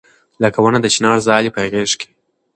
لکه ونه د چنار ځالې په غېږ کې